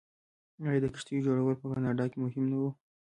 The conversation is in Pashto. آیا د کښتیو جوړول په کاناډا کې مهم نه و؟